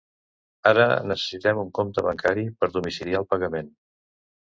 Ara necessitem un compte bancari per domiciliar el pagament.